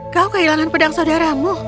kau kehilangan pedang saudaramu